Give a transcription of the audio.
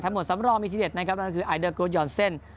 หมดสำรองมีทีเด็ดนะครับนั่นก็คือไอเดอร์โกยอนเซ่น